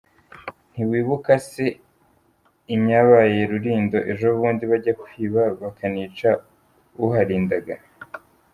Ntiwibuka se inyabaye Rulindo ejo bundi bajya kwiba bakanica uharindaga.